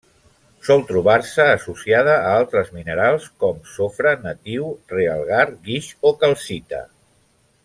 Sol trobar-se associada a altres minerals com: sofre natiu, realgar, guix o calcita.